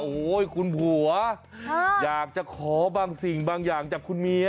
โอ้โหคุณผัวอยากจะขอบางสิ่งบางอย่างจากคุณเมีย